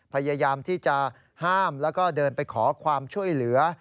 พยายามที่จะห้ามแล้วก็เดินไปขอความช่วยเหลือ